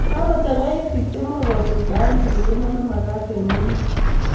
kakochangiit biik chemakosuldoe tililindo olemakaat eng emet